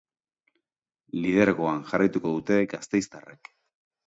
Lidergoan jarraituko dute gasteiztarrek.